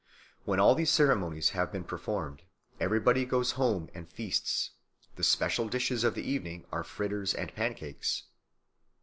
When all these ceremonies have been performed, everybody goes home and feasts; the special dishes of the evening are fritters and pancakes.